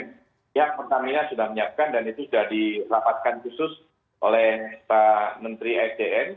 pihak pertamina sudah menyiapkan dan itu sudah dirapatkan khusus oleh pak menteri sdm